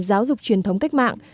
giáo dục truyền thống cách mạng